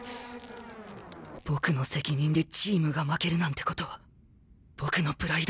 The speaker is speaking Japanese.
僕の責任でチームが負けるなんてことは僕のプライドが許さない！